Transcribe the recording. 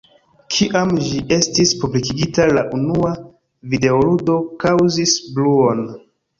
Kiam ĝi estis publikigita, la unua videoludo kaŭzis bruon.